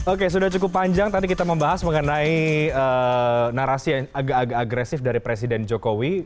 oke sudah cukup panjang tadi kita membahas mengenai narasi yang agak agak agresif dari presiden jokowi